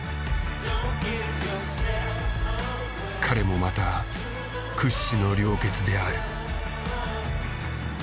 彼もまた屈指の良血である。